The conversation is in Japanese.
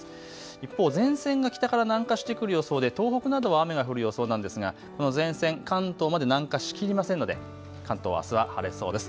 一方、前線が北から南下してくる予想で東北などは雨が降る予想なんですがこの前線、関東まで南下しきりませんので関東あすは晴れそうです。